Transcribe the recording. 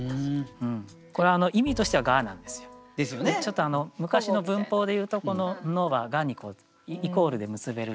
ちょっと昔の文法でいうとこの「の」が「が」にイコールで結べる。